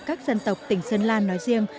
các dân tộc tỉnh sơn la nói riêng